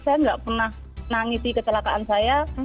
saya nggak pernah nangis di kecelakaan saya